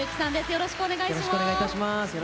よろしくお願いします。